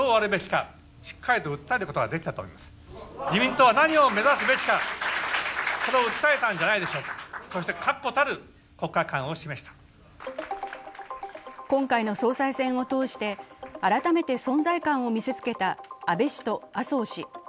高市氏を全面支援していた安部氏も今回の総裁選を通して、改めて存在感を見せつけた安倍氏と麻生氏。